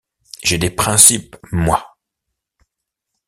J’ai des principes, moi!